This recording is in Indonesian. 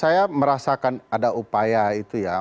saya merasakan ada upaya itu ya